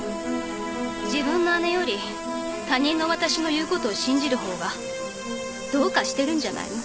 自分の姉より他人の私の言うことを信じる方がどうかしてるんじゃないの。